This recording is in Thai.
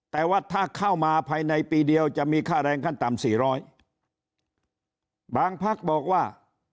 แต่ว่าถ้าเข้ามาภายในปีเดียวจะมีค่าแรงขั้นต่ำสี่ร้อยบางพักบอกว่า